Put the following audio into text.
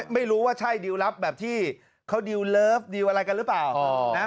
ไม่รู้ว่าใช่ดิวลลับแบบที่เขาดิวเลิฟดิวอะไรกันหรือเปล่านะ